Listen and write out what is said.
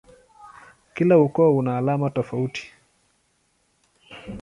Kila ukoo una alama tofauti.